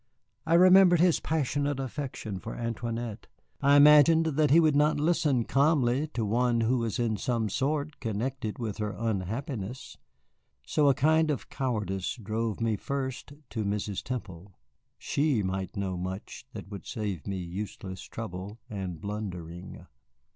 I remembered his passionate affection for Antoinette, I imagined that he would not listen calmly to one who was in some sort connected with her unhappiness. So a kind of cowardice drove me first to Mrs. Temple. She might know much that would save me useless trouble and blundering.